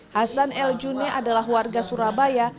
hasan el juni adalah warga surabaya